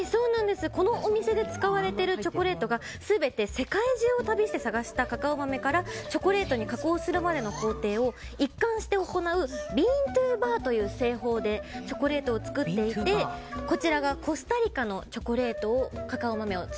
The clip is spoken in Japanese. このお店で使われているチョコレートが全て世界中を旅して探したカカオ豆からチョコレートに加工するまでの工程を一貫して行うビーントゥーバーという製法でチョコレートを作っていてこちらがコスタリカの苦いんですか？